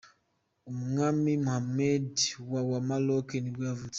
Umwami Mohammed wa wa Maroc nibwo yavutse.